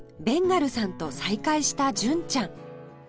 ベンガルさんと再会した純ちゃん